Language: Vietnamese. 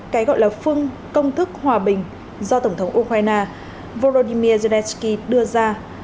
cái gọi là phương công thức hòa bình do tổng thống ukraine volodymyr zelensky đưa ra